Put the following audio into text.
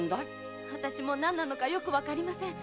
あたしも何なのかよくわかりません。